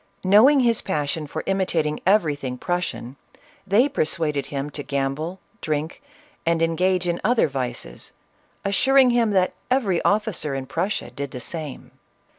Knowing his passion for imitating everything Prussian, they persuaded him to gamble, drink and engage in other vices, assuring him that every officer in Prussia did the same.